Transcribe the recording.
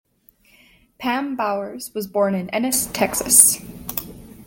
Pam Bowers was born in Ennis, Texas.